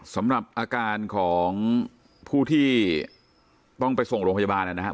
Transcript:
สำหรับอาการของผู้ที่ต้องไปส่งโรงพยาบาลนะครับ